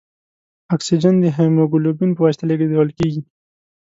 اکسیجن د هیموګلوبین په واسطه لېږدوال کېږي.